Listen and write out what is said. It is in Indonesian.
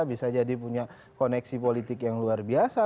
bisa jadi punya koneksi politik yang luar biasa